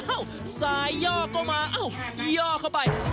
สายย่อก็มาอ้าวย่อเข้าไป